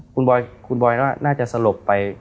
คุณบอยก็น่าจะสลบไป